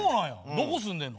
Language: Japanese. どこ住んでんの？